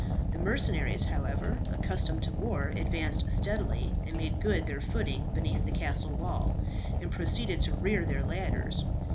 The mercenaries, however, accustomed to war, advanced steadily, and made good their footing beneath the castle wall, and proceeded to rear their ladders.